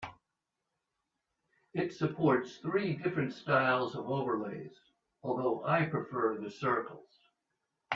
It supports three different styles of overlays, although I prefer the circles.